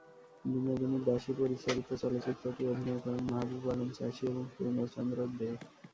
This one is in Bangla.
বিনোদিনী দাসী পরিচালিত চলচ্চিত্রটিতে অভিনয় করেন মাহাবুব আলম চাষী এবং পূর্ণচন্দ্র দে।